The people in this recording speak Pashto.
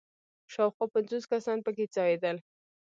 شاوخوا پنځوس کسان په کې ځایېدل.